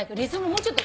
もうちょっと。